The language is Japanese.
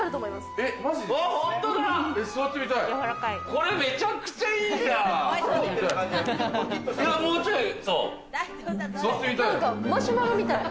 これめちゃくちゃいいじゃん！座ってみたい。